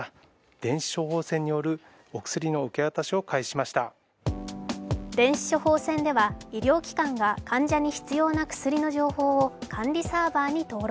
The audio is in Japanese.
電子処方箋では医療機関が患者に必要な薬の情報を管理サーバーに登録。